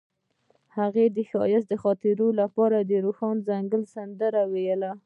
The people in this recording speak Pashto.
هغې د ښایسته خاطرو لپاره د روښانه ځنګل سندره ویله.